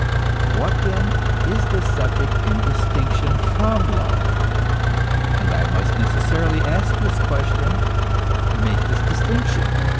What, then, is this subject in distinction from love ? And I must necessarily ask this question, make this distinction.